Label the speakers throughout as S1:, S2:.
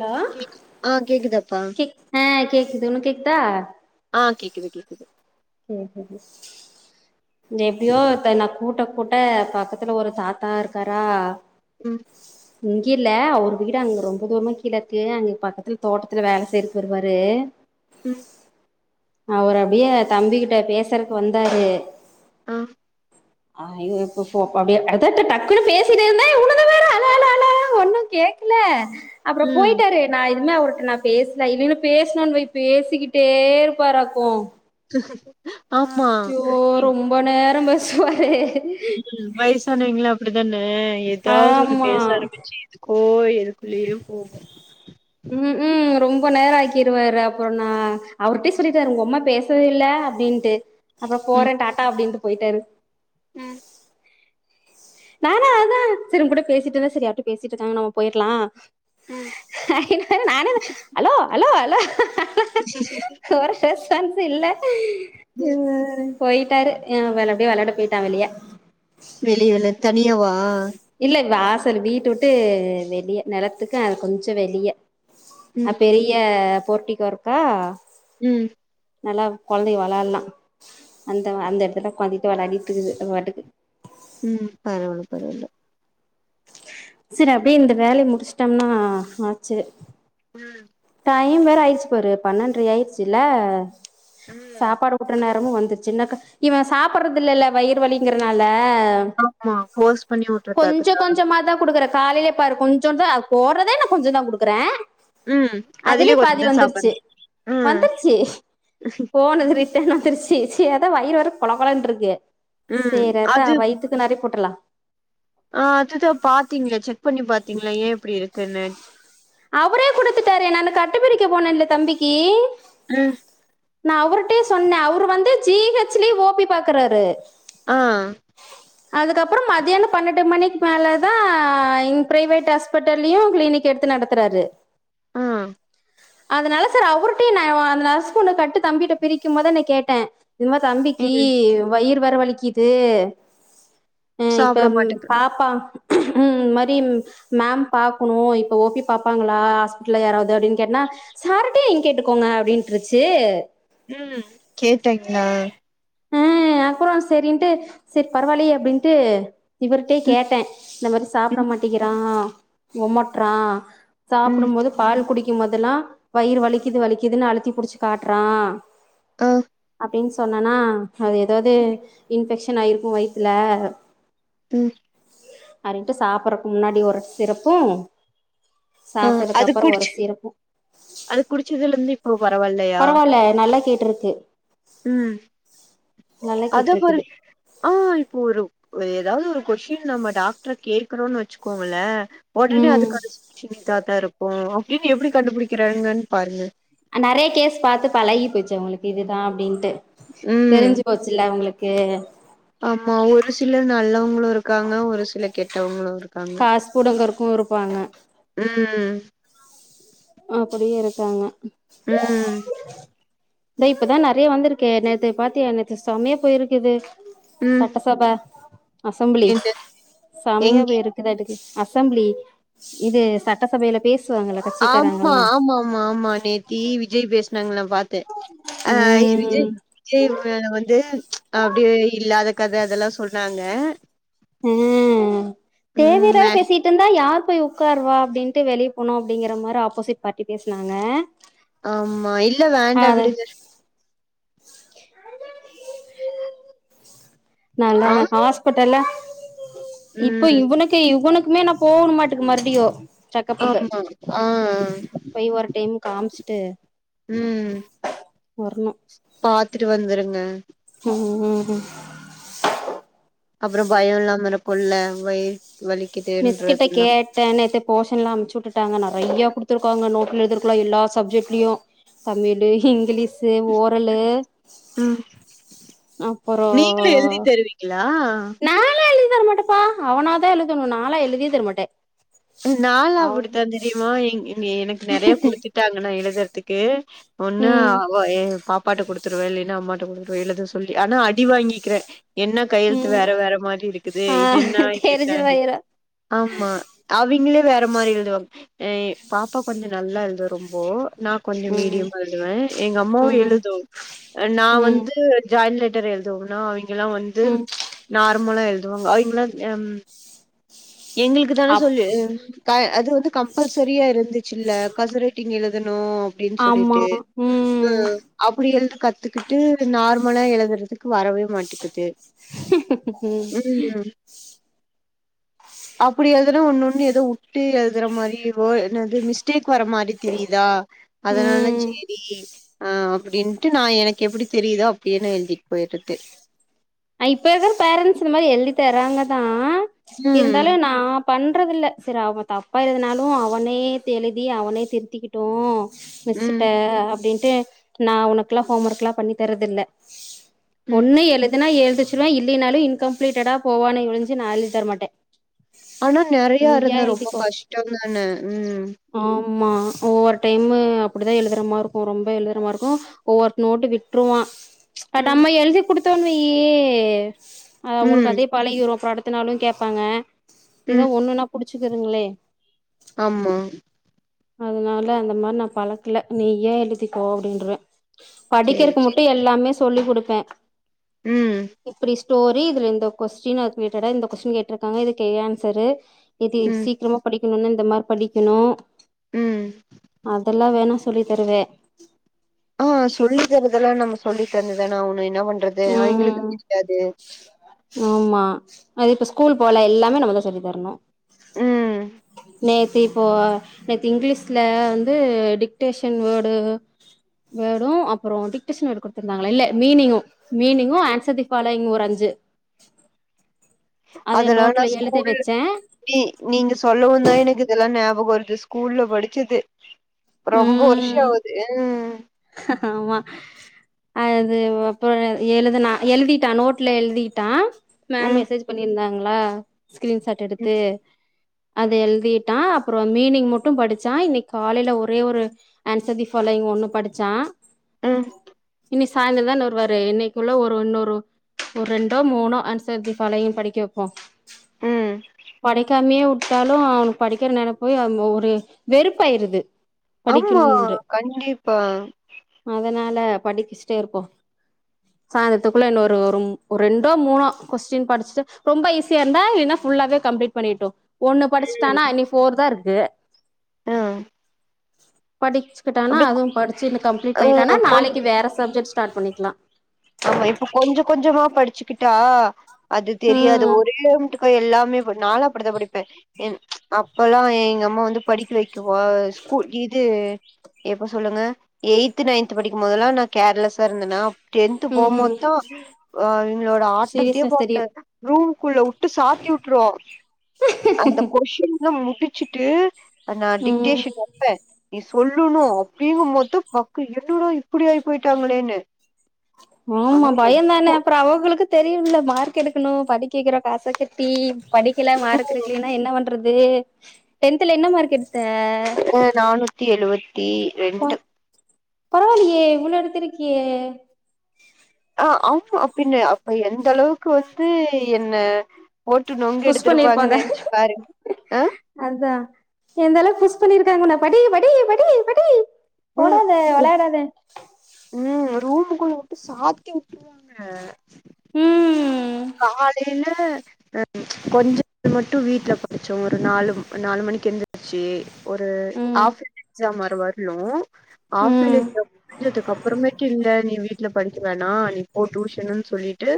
S1: Hello
S2: கேக்கு ஆ கேக்குதாப்பா
S1: கேக் அ கேகுது உனக்கு கேக்தா
S2: ஆ கேக்குது கேக்குது
S1: கேக்குது இங்க எப்டியோ ஒருத்த நா கூட்ட கூட்ட பக்கத்துல ஒரு தாத்தா இருக்காரா
S2: ம்
S1: இங்க இல்ல அவர் வீடு அங்க ரொம்ப தூரமா கீழ இருக்கு அங்க பக்கத்துல தோட்டத்துல வேல செய்யறக்கு வருவாரு
S2: ம்
S1: அவரு அப்டியே தம்பி கிட்ட பேசறக்கு வந்தாரு
S2: அ
S1: ஆ இது இப்பப்போ அப்டியே அதட்ற டக்குன்னு பேசிட்டே இருந்தே வுழுந்து வேற அழ அழ அழ அழ ஒன்னு கேக்கல அப்பறோ
S2: ம்
S1: போய்ட்டாரு நா இதுமே அவர்ட்ட நா பேஸ்ல இல்லேனா பேசணுன் வை பேசிக்கிட்டே இருப்பாராகு
S2: ஆமா
S1: ரொம்ப நேரோ பேசுவாரு
S2: ம் வயசானவய்ங்களே அப்டிதான ஏதாவது ஒண்ணு
S1: ஆமா
S2: பேச ஆரம்பிச்சு எதுக்கோ எதுக்குள்ளயோ போகு
S1: ம் ம் ரொம்ப நேரோ ஆக்கிருவாரு அப்பறோ நா அவர்டையே சொல்லிட்டாரு ஒங்க அம்மா பேச து இல்ல அப்டின்ட்டு அப்பறோ
S2: ம்
S1: போறே டாட்டா அப்டின்ட்டு போய்ட்டாரு
S2: ம்
S1: நானு அதா சரி ஒங்கூட பேசிட்டு இருந்தா சரி யார்டயோ பேசிட்டு இருக்காங்க நம்ம போயற்லா
S2: ம்
S1: நான் வேற hello hello hello
S2: he he he
S1: ஒரு ஷஷ்டான்ஸு இல்ல
S2: ம்
S1: போய்ட்டாரு எ அப்டி வெளாட போயிட்டா வெளிய
S2: வெளியல தனியாவா
S1: இல்ல வாசல் வீட்ட விட்டு வெளிய நெலத்துக்கும் கொஞ்ச வெளிய அ
S2: ம்
S1: பெரிய போர்டிகோ இருக்கா
S2: ம்
S1: நல்லா கொழந்தக வள்ளாலாம் அந்த அந்த எடத்துல கொழந்தக வள்ளாடிட்டு இருக்து அது பாட்டுக்கு
S2: ம் பரவால பரவால
S1: சரி அப்டியே இந்த வேலய முடிச்சுட்டோம்னா ஆச்சு
S2: ஆ
S1: டைம் வேற ஆயிச்சு பாரு பன்னென்ரரை ஆயிச்சுல்ல
S2: ம்
S1: சாப்பாடு அ நேரமும் வந்துச்சு இன்னக்க இவன் சாப்பறது இல்லல்ல வயிறு வலிங்கறனால
S2: ஆமா ஃபோர்ஸ் பண்ணி
S1: கொஞ்ச
S2: வுட்றதாக்குதா
S1: கொஞ்சமா தான் கொடுக்றன் காலயில பாரு கொஞ்ச தா அது போறதே நான் கொஞ்சம் தா கொடுக்றேன்
S2: ம் அதுலயே
S1: அதிலியு பாதி
S2: கொஞ்சந்தா
S1: வந்துருச்சு
S2: சாப்பட்றே ம்
S1: வந்துருச்சு போனது ரி ட்டன் வந்துருச்சு ச்சு வயிறு வேற கொல கொலன்ருக்கு
S2: ம்
S1: சரி அதா
S2: அது
S1: வயித்துக்கு நெறய போட்ரலாம்
S2: ஆ அதுதான் பாத்தீங்களா செக் பண்ணி பாத்தீங்களா ஏன் இப்டி இருக்குன்னு
S1: அவரே குடுத்துட்டாரு நானு கட்டுப்பிரிக்க போனேல்ல தம்பிக்கு
S2: ம்
S1: நான் அவர்ட்டேயு சொன்னே அவுரு வந்து ஜி ஹெச் லயு ஓ பி பாக்றாரு
S2: ஆ
S1: அதுக்கப்றோ மதியானம் பன்னெண்டு மணிக்கு மேலே தான் இங் பிரைவேட் ஹாஸ் ஸ்பட்டல்லலயும் கிளினிக் எடுத்து நடத்துறாரு
S2: ஆ
S1: அதனால சர் அவுர்ட்டயும் நா அந்த நர்ஸு ஒன்னு கட்டு தம்பிட்ட பிரிக்கும் போதே நான் கேட்டேன் இதுமா தம்பிக்கு
S2: ம்
S1: வயிர் வேர வலிக்குது அ இப்ப
S2: சாப்ட மாட்டேங்குது
S1: பாப்பா ம் இந்த மாரி மேம் பாக்ணும் இப்ப ஓ பி பாப்பாங்ளா ஹாஸ்பிடல்ல யாராவது அப்டின்னு கேட்டன்னா சார்ட்டேயே நீங்க கேட்டுக்கோங்க அப்டின்ட்டுருச்சு
S2: ம் கேட்டங்களா
S1: ஆ அப்றோ சரின்ட்டு சரி பரவாலியே அப்டின்ட்டு இவர்ட்டேயே
S2: ம்
S1: கேட்டே இந்த மாரி சாப்ட
S2: ம்
S1: மாட்டேகிறான் ஒமட்றான்
S2: ம்
S1: சாப்டும் போது பால் குடிக்கும் போதெல்லா வயிறு வலிக்து வலிக்துன்னு அழுத்தி புடிச்சு காட்றான்
S2: அ
S1: அப்டின் சொன்னேன்னா அது எதாது இன்ஃபெக்ஷன் ஆய்ருக்கும் வயித்ல
S2: ம்
S1: அன்ட்டு சாப்றக்கு முன்னாடி ஒரு சிரப்பும்
S2: ஆ அது குடிச் அது குடிச்சதுலருந்து இப் இப்போ பரவால்லையா
S1: பரவால்ல நல்லா கேட்டிருக்கு
S2: ம்
S1: நல்லா
S2: அதோ பாரு
S1: கேட்டிருக்குது
S2: ஆ இப்போ ஒரு ஏதாவது ஒரு கொஷின் நம்ம டாக்டர கேக்றோன் வச்சுக்கோங்கள ஒடனே
S1: ம்
S2: அதுக்கான சொல்யூஷ இதா தான் இருக்கு அப்டின் எப்டி கண்டுபிடிக்றாங்கன் பாருங்க
S1: அ நறைய கேஸ் பாத்து பழகி போய்ச்சு அவங்களுக்கு இதுதா அப்டின்ட்டு
S2: ம்
S1: தெரிஞ்சு போச்சில உங்ளுக்கு
S2: ஆமா ஒரு சிலர் நல்லவங்களு இருக்காங்க ஒரு சில கெட்டவங்களு இருக்காங்க
S1: ருக்கு இருப்பாங்க
S2: ம்ம்
S1: அப்டியே இருக்காங்க
S2: ம்
S1: த்த இப்தா நறைய வந்திருக்கே நேத்து பாத்தியா நேத்து செமயா போய்ருக்குது
S2: ம்
S1: சட்டசபா அசம்பிளி
S2: என்ன
S1: சமையா
S2: எங்கி
S1: போய் இருக்குது அதுக் அசம்பிளி இது சட்டசபைல பேசுவாங்கல
S2: ஆமா ஆமா ஆமா ஆமா ஆமா நேத்தி விஜய் பேஸ்னாங்க நா பாத்த அ விஜய்
S1: ம்
S2: விஜய் வந்து அப்டியே இல்லாத கத அதல்லா சொன்னாங்க
S1: ஆ
S2: ம் ந
S1: த்திண்டா யார் போய் உக்கார்வா அப்டின்ட்டு வெளிய போனோ அப்டிங்கற மாரி ஆப்போசிட் பார்டி பேஸ்னாங்க
S2: ஆமா இல்ல வேண்டா விடுங்க
S1: நல்லா
S2: ஆ,
S1: ஹாஸ்பட்டல்ல இப்ப
S2: ம்.
S1: இவனுக் டே இவ்வுனுக்குமே நா போவுட மாட்டக் மறுப்டியு
S2: ஆமா ஆ
S1: போய் ஒரு டைம் காம்ச்ட்டு
S2: ம் பாத்துட்டு வந்துருங்க
S1: ம் ம் ம்
S2: அப்றோ பயோ இல்லாம இருக்குல்ல வய்
S1: மிஸ்கிட்ட கேட் ட்ட நைத்தே போஷன்லா அம்ச்சு வுட்டுட்டாங்க நறையா குடுத்துருக்காங்க நோட்ல எலுதிருக்குல எல்லா சப்ஜெக்ட்லயு தமிபி டேய் இங்கிலீஷு ஓரலு
S2: ம்.
S1: அப்றோ
S2: நீங்களும் எழுதி தருவீங்களா?
S1: தரமாட்டப்பா அவனாதா எழுதணு நாளா எழுதியே தரமாட்ட
S2: நால்லா அப்டித்தா தெரிமா எனக்கு நெறய குடுத்துட்டாங்க நா எழுதற்துக்கு ஒன்னு
S1: ம்
S2: அவ எ பாப்பாட்ட குடுத்துருவ இல்லைன்னா அம்மாட்ட குடுத்துருவ எழுத சொல்லி ஆனா அடி வாங்கிக்கிற என்ன கையெழுத்து
S1: ம்
S2: வேற வேற மாரி இருக்குது
S1: ஆ
S2: இது என்ன இது
S1: தெரிஞ்சு
S2: என்ன
S1: போயிரு
S2: ஆமா அவிங்களே வேற மாரி எழுதுவாங் அ பாப்பா கொஞ்ச நல்லா எழுதுவ ரொம்போ நா கொஞ்ச
S1: ம்
S2: மீடியமா எழுதுவே எங்க அம்மாவு
S1: ம்
S2: எழுது நான்
S1: ம்
S2: வந்து ஜாய்ன் லெட்டர் எழுதுவோன்னா அவைங்கலா வந்து
S1: ம்
S2: நார்மலா எழுதுவாங்க அவைங்கலா யம் எங்களுக்கு தான
S1: அப்
S2: சொல்லு க அது வந்து கம்பல்சரியா இருந்துச்சுல்ல கசுரைட்டிங் எழுதனு டின்டு
S1: ஆமா
S2: மசொல்லிட்டு து
S1: ம்
S2: அப்டி எழுத கத்துக்கிட்டு நார்மலா எழுதறதுக்கு வரவே மாட்டிக்குது ம் அப்டி எழுதுனா ஒன்னு ஒன்னு ஏதோ வுட்டு எழுதற மாரி ரோ என்னது மிஸ் டேக் வர மாரி தெரிதா அதனால
S1: ம்
S2: செரி அப்டின்ட்டு நா எனக் கெப்டி தெரிதோ அப்டியே நா எழுதிட் போய்ட்றது
S1: அ இப்ப இருக்கற பேரன்ட்ஸ் இந்த மாரி எழுதி தராங்க தா இருந்தாலு
S2: ம்
S1: நா பண்றதில்ல சரி அவன் தப்பா எழுதுனாலு அவனே எழுதி அவனே திருத்திக்கிட்டு
S2: ம்
S1: மிஸ்ஸிட்ட அப்டின்ட்டு நா உனக்கெல்லா ஹோம் ஒர்க்ல்லா பண்ணி தர்றதில்ல
S2: ம்
S1: ஒண்ணு எழுதுனா எழுத வெச்சிருவேன் இல்லைனாலு இன்கம்ப்ளீட்டடா போவானே ஒழிஞ்சு நா எழுதித்தரமாட்ட
S2: ஆனா நெறயா இருந்தா ரொம்ப கஷ்டந்தான ம்
S1: ஆமா ஒவ்வொரு டைமு அப்டிதா எழுதறமாருக்கு ரொம்ப எழுதுறமாருக்கு ஒவ்வொரு நோட்டு விட்ருவான் டா
S2: ம்
S1: நம்ம எழுதி குடுத்தோன்னு வெய் அவங்களுக்கு
S2: ம்
S1: அதே பழகிரு அப்றோ அடுத்தனாலு கேப்பாங்க ஏதோ
S2: ம்
S1: ஒண்ணுனா புடிச்சுக்குதுங்ளே
S2: ஆமா
S1: அதனால அந்த மாரி நா பழக்கல நீயே எழுதிக்கோ அப்டின்றுவன்
S2: சேரி
S1: படிக்கறக்கு
S2: சேரி
S1: மட்டு எல்லாமே சொல்லி குடுப்ப
S2: ம்
S1: இப்டி ஸ்டோரி இதுல இந்த கொஸ்டின் அதுக்கு ரிலேட்டடா இந்த கொஸ்டின் கேட்டிருக்காங்க இதுக்கு இது ஆன்சரு இது
S2: ம்
S1: சீக்கிரமா படிக்கணுனா இந்த மார் படிக்கணு
S2: ம்
S1: அதெல்லா வேணா சொல்லித்தருவே
S2: ஆ சொல்லி தரதெல்லா நம்ம சொல்லி தந்துதான ஆவனு என்ன பண்றது
S1: ம்
S2: அவிங்களுக்கு
S1: ம்
S2: புடிக்காது
S1: ஆமா அது இப்ப ஸ்கூல் போல எல்லாமே நம்மதா சொல்லி தர்ணு
S2: ம்
S1: நேத்து இப்போ நேத்து இங்லீஸ்ல வந்து டிக்டேஷன் வேர்டு வேர்டும் அப்றோ டிக்டேஷன் வேர்டு குடுத்திருந்தாங்ளா இல்ல meaning meaning answer the following ஒரு அஞ்சு அத
S2: அதெல்லா நா
S1: நோட்ல எழுத
S2: ஸ்கூல்
S1: வெச்சேன்
S2: நீ நீங்க சொல்லவுந்தா எனக்கு இதெல்லா ஞாபகோ வருது ஸ்கூல்ல படிச்சது ரொம்ப வருஷோ
S1: ம்
S2: ஆவுது ம்
S1: ஆமா அது அப்றோ எழுதுனா எழுதீட்டா நோட்ல எழுதீட்டான் மேம்
S2: ம்
S1: மெசேஜ் பண்ணீருந்தாங்ளா ஸ்கிரீன்ஷாட்
S2: ம்
S1: எடுத்து அது எழுதிட்டான் அப்றோ மீனிங் முட்டு படுச்சான் இன்னைக் காலைல ஒரே ஒரு ஆன்சர் தி ஃபாலோயிங் ஒன்னு படிச்சான்
S2: ம்
S1: இனி சாய்ந்ரோந்தான வருவாரு இன்னைக்குள்ள ஒரு இன்னொரு ஒரு ரெண்டோ மூணோ ஆன்சர் தீ ஃபாலோயிங் படிக்க வெப்போ
S2: ம்
S1: படிக்காமியே வுட் டாலு அவனுக்கு படிக்கிற நெனப்பு போய் அங்க ஒரு வெறுப்பாயிருது
S2: ஆமா
S1: படிக்கணும்ன்று
S2: கண்டிப்பா
S1: அதனால படிக்க வெச்சுட்டே இருப்போ சாய்ந்தரத்துக்குள்ள இன்னோரு ஒரு ஒரு ரெண்டோ மூணோ கொஸ்டின் படிச்சுட்டு ரொம்ப ஈஸியா இருந்தா இல்லனா ஃபுல்லாவே கம்ப்ளீட் பண்ணிட்டோ ஒண்ணு படுச்சுட்டானா இனி ஃபோர்தா இருக்கு
S2: அ
S1: படிச்சுகிட்டானா அதும் படிச்சு இன்னு கம்ப்ளீட்
S2: ஆ
S1: பண்ணிட்டானா
S2: கொஞ்ச
S1: நாளைக்கு வேற சப்ஜெக்ட் ஸ்டார்ட் பண்ணிக்லா
S2: ஆமா இப்ப கொஞ்ச கொஞ்சமா படிச்சுக்கிட்டா அது தெரியாது
S1: ம்
S2: ஒரேமுட்டு க்கா எல்லாமே ப நால்லா அப்டிதா படிப்ப என்ச் அப்பல்லா எங்கம்மா வந்து படிக்க வெ க்கவா ஸ்கூல் இது எப்ப சொல்லுங்க எய்த்து நைன்த்து படிக்கும்போதெல்லா நா கேர்லஸ்ஸா இருந்தனா டென்த்து
S1: ம்
S2: போம்போதா அ இவுங்ளோட ஆட்டத்தயே
S1: சீரியஸ்னஸ் தெரியு
S2: பாத்த ரூம்க்குள்ள வு ட்டு சாத்தி வுட்ரு அந்த கொஷின்ல்லா முடிச்சிட்டு அந்த
S1: ம்
S2: டிக்டேஷன் வப்பே நீ சொல்லுணு அப்டிங்கும் போது பக்கு என்னடா இப்பிடி ஆய் போய்ட்டாங்களேன்னு
S1: ஆமா பயந்தானே அப்புறோ அவுகளுக்கு தெரியும்ல மார்க் எடுக்கணு படிக்க வைக்கிற காசுக்கு ட்டி படிக்கல மார்க் எடுக்குலீன்னா என்ன பன்றது டென்த்துல என்ன மார்க் எடுத்த
S2: அ நானூ னூத்தி எழுவத்தி
S1: ப பரவால்லியே இவ்ளோ எடுத்துருக்கியே
S2: ஆ ஆமா பின்ன அப்ப எந்தளவுக்கு வந்து என்ன போட்டு
S1: புஷ் பண்ணிருப்பாங்க
S2: நொங்கெடுத்துருப்பாங்கனு நென்ச்சு பாரு அ
S1: அதா எந்த அளவுக்கு புஷ் பண்ணீருக்காங்க உன்ன படி படி படி படி
S2: ம்
S1: ஓடாத வெளாடாத
S2: ம் ரூமுக்குள்ள விட்டு சாத்தி வுட்ருவாங்க
S1: உம்
S2: காலேல அ கொஞ்ச மட்டு வீட்ல படிச்சோ ஒரு நாலு நாலு மணிக்கு எந்திருச்சு ஒரு
S1: ம்
S2: ஆஃபேலி எக்ஸாம் வேர வர்னு ஆஃபேலி
S1: ம்
S2: எக்ஸாம் வந்ததுக்கு அப்புறமேட்டு இல்ல நீ வீட்ல படிக்க வேணா நீ போ டூஷனு சொல்லிட்டு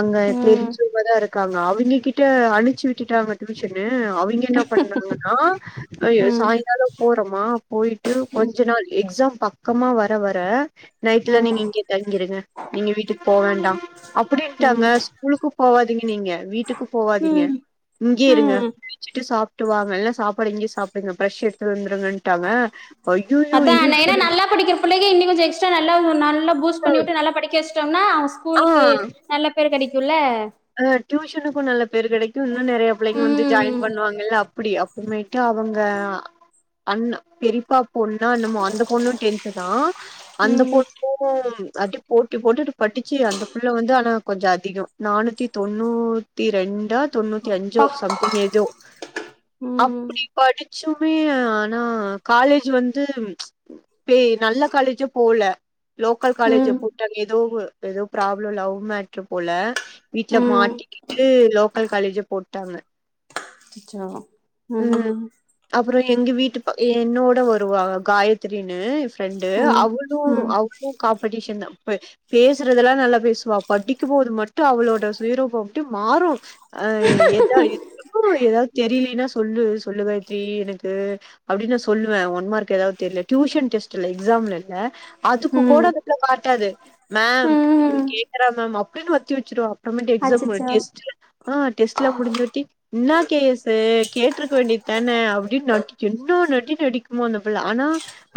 S2: அங்க
S1: ம்
S2: தெரிஞ்சவ்ங்கதா இருக்காங்க அவிங்க கிட்ட அனுச்சு விட்டுட்டாங்க டியூஷனூ அவிங்க என்ன பண்ணாங்கன்னா ஐயோ
S1: ம்
S2: சாய்ங்காலோ போறொமா போய்ட்டு கொஞ்ச நாள் எக்ஸாம் பக்கமா வர வர நைட்லா
S1: ம்
S2: நீங்க இங்க தங்கிருங்க நீங்க வீட்டுக்கு போ வேண்டா அப்பிடீன்ட்டாங்க
S1: ம்
S2: ஸ்கூலுக்கு போவாதீங்க நீங்க வீட்டுக்கு போவாதீங்க
S1: ம்
S2: இங்கயே இருங்க
S1: ம்
S2: குளுச்சுட்டு சாப்ட்டுவாங்க சாப்பாடு இங்கயே சாப்டுங்க ப்ரஷ் எடுத்துட்டு வந்துருங்கன்ட்டாங்க ஐய்யய்யோ
S1: அதா
S2: இன்னு
S1: ஏன்னா
S2: இப்டி
S1: நல்லா படிக்கிற புள்ளைக இன்னி கொஞ்சோ எக்ஸ்ட்டா நல்லா நல்ல பூஸ்ட் பண்ணி வுட்டு நல்லா படிக்க வச் டோம்னா அவ
S2: ஆ
S1: ஸ்கூலுக்கு நல்ல பேர் கெடைக்குல்ல
S2: அ டியூஷனுக்கு நல்ல பேர் கெடைக்கு இன்னு நெறைய புள்ளைங்க வந்து ஜாயின்
S1: ம்
S2: பண்ணுவாங்கல்ல அப் அப்டி அப்றமேட்டு அவங்க அண்ணா பெரிப்பா பொண்ணு என்னமோ அந்த பொண்ணு டென்து தா அந்த
S1: ம்
S2: பொண்ணு அது போட்டி போட்டிட்டு படிச்சு அந்த பிள்ள வந்து ஆனா கொஞ்சோ அதிகோ நானுத் நாணூத்தி தொண்ணூத்தி ரெண்டா தொண்ணூத்தி அஞ்சோ
S1: பா
S2: சம்திங் ஏதோ
S1: ம்
S2: அப்டி படிச்சுமே ஆனா காலேஜ் வந்து போய் நல்ல காலேஜே போல லோக்கல் காலேஜ
S1: ம்
S2: போட்டாங்க ஏதோ ஏதோ ப்ராப்ளம் லவ்மேட்ரு போல வீட்டுல
S1: ம்
S2: மாட்டிக்கிட்டு லோக்கல் காலேஜ் போட்டாங்க
S1: அச்சோ
S2: அப்றோ எங்க வீட்டு ப என்னோட வருவா காயத்திரின்னு ப்ரண்டு
S1: ம்
S2: அவளு
S1: ம்
S2: அவளு காம்படிஷன் தா பேசுறதெல்லா நல்லா பேசுவா படிக்கும் போது மட்டு அவளோட சுயரூப அப்டியே மாறு அஹ் எதா எதுக்கு எதாவது தெரிலேனா சொல்லு சொல்லுவேண்டி எனக்கு அப்டின்னு சொல்லுவே ஒன் மார்க் எதாவது தெரில டியூஷன் டெஸ்ட்ல்ல எக்ஸாம்ல இல்ல அதுக்கு கூட
S1: ம்
S2: அந்த புள்ள காட்டாது மேம் இவ
S1: ம்
S2: கேக்கறா மேம் அப்டின்னு வத்தி வச்சுருவா அமாண்டி எக்ஸாம்
S1: அச்சச்சோ
S2: டெஸ்ட்ல ஆஹ் டெஸ்ட்லா முடிஞ்சவாட்டி என்னா கே. எஸ்ஸு கேட்ருக்க வேண்டிதானே அப்டின்னு நடி என்னா நடி நடிக்கு அந்த பிள்ள ஆனா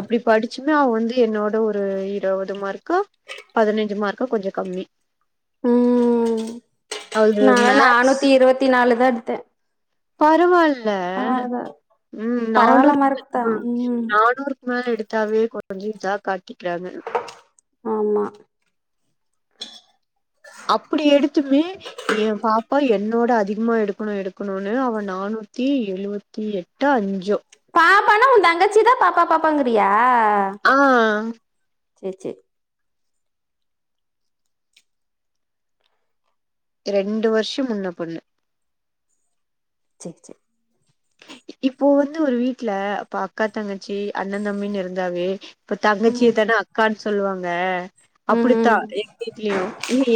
S2: அப்டி படிச்சுமே அவ வந்து என்னோட ஒரு இருபது மார்க்கோ பதினஞ்சு மார்க்கோ கொஞ்சோ கம்மி
S1: ம்
S2: அது
S1: நா
S2: மேக்ஸ்
S1: நானூத்தி இருவத்தி நாலுதா எடுத்த
S2: பரவால்ல ம்
S1: பரவால்ல
S2: நானூறு
S1: மார்க் தா
S2: ம் நானூறு மேல எடுத்தாவே குறஞ்சு இதா காட்டிக்றாங்க
S1: ஆமா
S2: அப்டி எடுத்துமே எ பாப்பா என்னோட அதிகமா எடுக்கணு எடுக்கணுனு அவ நானூத்தி எழுவத் தி எட்டா அஞ்ஜோ
S1: பாப்பானா உன் தங்கச்சிதா பாப்பா பாப்பாங்கறியா
S2: ஆ
S1: சேரி சேரி
S2: ரெண்டு வருஷம் முன்ன புன்ன
S1: சேரி சேரி
S2: இப்போ வந்து ஒரு வீட்ல அப்ப அக்கா தங்கச்சி அண்ண தம்பிக இருந்தாவே இப்ப தங்கச்சிய
S1: ம்
S2: தான அக்கான்னு சொல்வாங்க அப்டிதா
S1: ம்
S2: எங்க வீட்லயு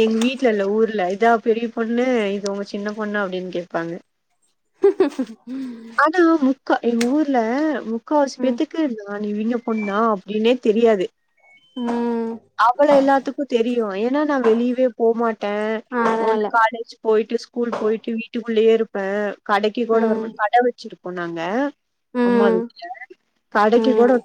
S2: எங்க வீட்ல இல்ல ஊர்ல இதா பெரிய பொண்ணு இது உங்க சின்ன பொண்ணு அப்டின்னு கேப்பாங்க
S1: ஹ்ம்ஹம்ஹ்ம்
S2: ஆனா முக்கா எங்க ஊர்ல முக்கா வாசி
S1: ம் ம்
S2: பேத்துக் கு நா இவிங்க பொண்ணா அப்டினே தெரியாது
S1: ம்
S2: அவ்ள எல்லாத்துக்கும் தெரியு ஏனா நா வெளியவே போமாட்டே ஒண்ணு
S1: அதனால
S2: காலேஜ் போயிட்டு ஸ்கூல் போயிட்டு வீட்டுக்குள்ளயே இருப்ப கடைக்கு கூட
S1: ம்
S2: வரமாட் போனாங்க அம்மா
S1: ம்
S2: வீட்ல கடைக்கு கூட
S1: ம்